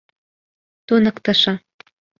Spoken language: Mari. Туныктышо.